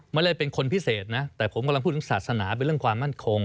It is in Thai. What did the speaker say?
ไม่ได้เป็นคนพิเศษนะแต่ผมกำลังพูดถึงศาสนาเป็นเรื่องความมั่นคง